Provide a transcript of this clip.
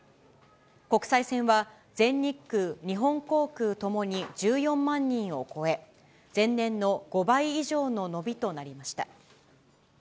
国際線は全日空、日本航空ともに１４万人を超え、前年の５倍以上の伸びとなりました。